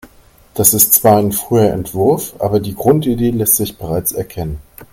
Das ist zwar ein früher Entwurf, aber die Grundidee lässt sich bereits erkennen.